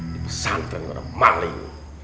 di pesantren orang maling